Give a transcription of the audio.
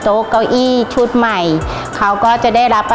ทางโรงเรียนยังได้จัดซื้อหม้อหุงข้าวขนาด๑๐ลิตร